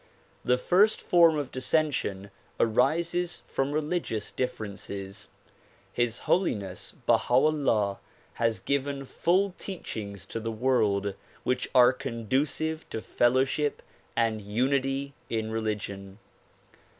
The first form of dissension arises from religious differences. His Holiness Baha 'Ullah has given full teachings to the world which are conducive to fellowship and unity in religion.